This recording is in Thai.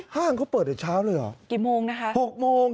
ห้างเขาเปิดแต่เช้าเลยเหรอกี่โมงนะคะ๖โมง